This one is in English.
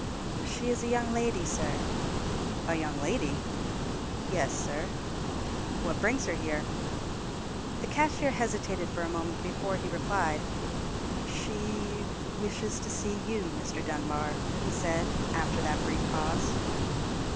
"She is a young lady, sir." "A young lady?" "Yes, sir." "What brings her here?" The cashier hesitated for a moment before he replied, "She—wishes to see you, Mr. Dunbar," he said, after that brief pause.